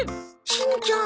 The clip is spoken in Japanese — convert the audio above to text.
しんちゃん。